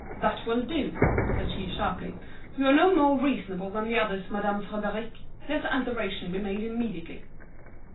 "That will do!" said she, sharply; "you are no more reasonable than the others, Madame Frédéric. Let the alteration be made immediately."